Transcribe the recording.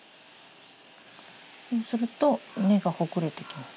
そうすると根がほぐれてきます。